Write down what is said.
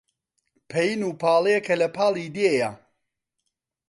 پەین و پاڵێ کە لە پاڵی دێیە